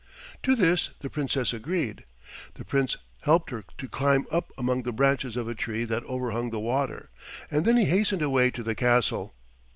To this the Princess agreed. The Prince helped her to climb up among the branches of a tree that overhung the water, and then he hastened away to the castle.